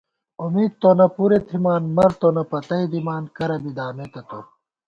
امېدتونہ پُرےتھِمان، مرتونہ پتئ دِمان، کرہ بی دامیتہ تو